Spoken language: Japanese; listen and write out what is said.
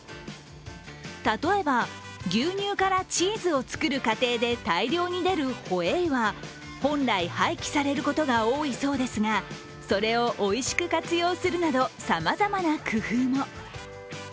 例えば、牛乳からチーズを作る過程で大量に出るホエイは本来廃棄されることが多いそうですが、それをおいしく活用するなど、さまざまな工夫も。